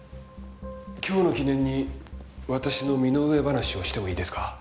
今日の記念に私の身の上話をしてもいいですか？